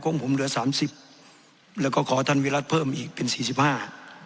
ของผมเหลือสามสิบแล้วก็ขอท่านวิรัติเพิ่มอีกเป็นสี่สิบห้า